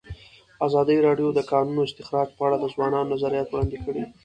ازادي راډیو د د کانونو استخراج په اړه د ځوانانو نظریات وړاندې کړي.